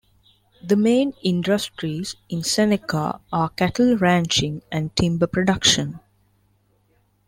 The main industries in Seneca are cattle ranching and timber production.